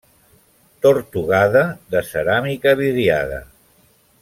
Tortugada de ceràmica vidriada.